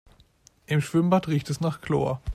Im Schwimmbad riecht es nach Chlor.